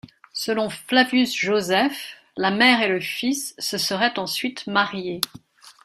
Selon Flavius Josèphe, la mère et le fils se seraient ensuite mariés.